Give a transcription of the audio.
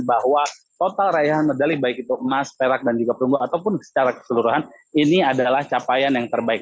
bahwa total raihan medali baik itu emas perak dan juga perunggu ataupun secara keseluruhan ini adalah capaian yang terbaik